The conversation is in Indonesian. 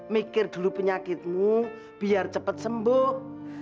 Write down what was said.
mikir dulu penyakitmu biar cepat sembuh